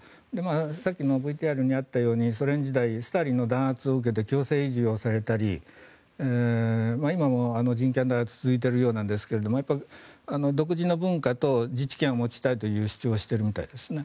さっきのＶＴＲにあったようにソ連時代スターリンの弾圧を受けて強制移住をされたり今も人権弾圧が続いているようですが独自の文化と自治権を持ちたいという主張をしているみたいです。